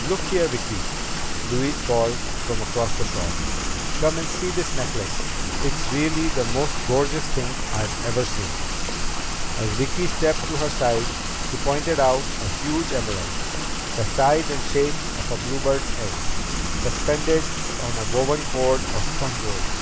"Look here, Vicki," Louise called from across the shop. "Come and see this necklace. It's really the most gorgeous thing I've ever seen!" As Vicki stepped to her side, she pointed out a huge emerald, the size and shape of a bluebird's egg, suspended on a woven cord of spun gold.